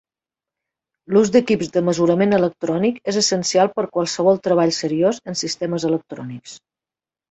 L'ús d'equips de mesurament electrònic és essencial per qualsevol treball seriós en sistemes electrònics.